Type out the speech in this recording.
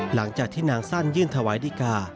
หลังจากที่นางสั้นยื่นถวายดีกา